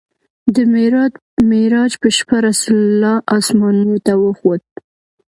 د معراج په شپه رسول الله اسمانونو ته وخوت.